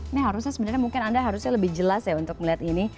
ini harusnya sebenarnya mungkin anda harusnya lebih jelas ya untuk melihat ini